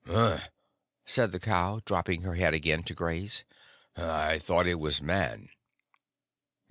"Uhh!" said the cow, dropping her head again to graze, "I thought it was Man."